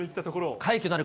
快挙なるか？